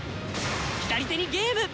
左手にゲーム！